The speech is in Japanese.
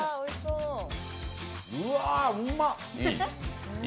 うわあ、うまっ！